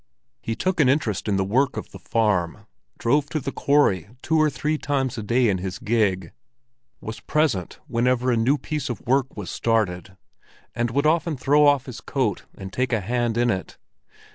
He took an interest in the work of the farm, drove to the quarry two or three times a day in his gig, was present whenever a new piece of work was started, and would often throw off his coat and take a hand in it.